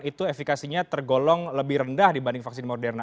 itu efekasinya tergolong lebih rendah dibanding vaksin moderna